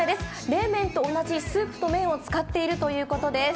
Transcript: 冷麺と同じスープと麺を使っているということです。